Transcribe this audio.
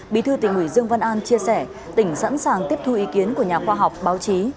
bí thư tỉnh ủy dương văn an chia sẻ tỉnh sẵn sàng tiếp thu ý kiến của nhà khoa học báo chí